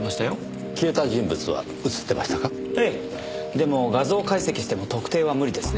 でも画像解析しても特定は無理ですね。